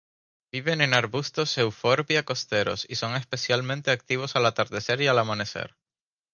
Viven en arbustos euphorbia costeros, y son especialmente activos al atardecer y al amanecer.